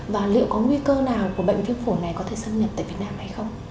và liệu có nguy cơ nào của bệnh viêm phổi này có thể xâm nhập tại việt nam hay không